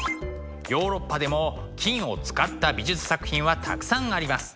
ヨーロッパでも金を使った美術作品はたくさんあります。